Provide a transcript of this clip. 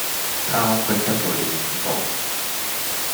她空隙得到了倚傍